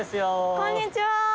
こんにちは。